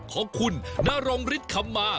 ของคุณนรงฤทธิคำมา